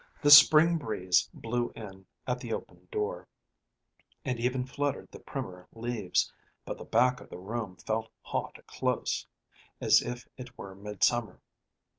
The spring breeze blew in at the open door, and even fluttered the primer leaves, but the back of the room felt hot and close, as if it were midsummer.